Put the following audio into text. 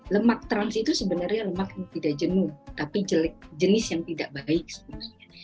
lemak trans itu sebenarnya lemak yang tidak jenuh tapi jenis yang tidak baik sebenarnya